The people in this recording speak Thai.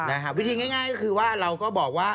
นะครับวิธีง่ายคือว่าเราก็บอกว่า